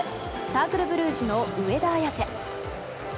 サークルブルージュの上田綺世。